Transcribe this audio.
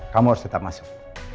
kamu harus tetap masuk